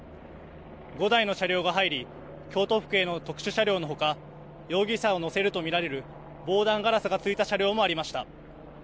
５台の車両が入り京都府警の特殊車両のほか容疑者を乗せると見られる防弾ガラスがついた車両もありました。